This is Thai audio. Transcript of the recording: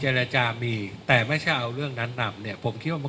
เจรจามีแต่ไม่ใช่เอาเรื่องนั้นนำเนี่ยผมคิดว่ามัน